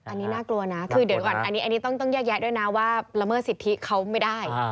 อันนี้น่ากลัวนะคือเดี๋ยวก่อนอันนี้ต้องแยกแยะด้วยนะว่าละเมิดสิทธิเขาไม่ได้